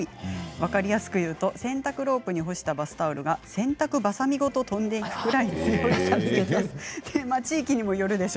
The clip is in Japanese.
分かりやすく言うと洗濯ロープに干したバスタオルが洗濯バサミごと飛んでいくぐらいです。